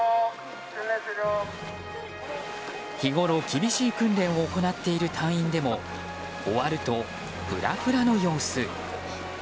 日ごろ厳しい訓練を行っている隊員でも終わるとフラフラの様子。